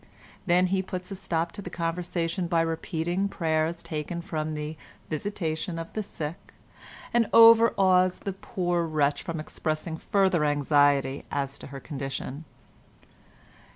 Then he puts a stop to the conversation by repeating prayers taken from the "Visitation of the Sick," and overawes the poor wretch from expressing further anxiety as to her condition.